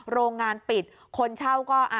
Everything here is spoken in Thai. โรงงานปิดคนเช่าก็